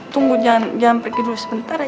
tunggu jangan pergi dulu sebentar ya